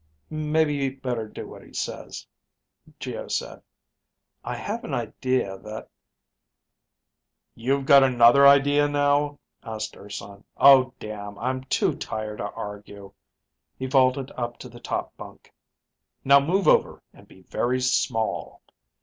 "Maybe you better do what he says," Geo said. "I have an idea that ..." "You've got another idea now?" asked Urson, "Oh, damn, I'm too tired to argue." He vaulted up to the top bunk. "Now move over and be very small."